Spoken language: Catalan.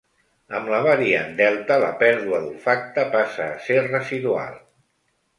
Amb la variant delta, la pèrdua d’olfacte passa a ser residual.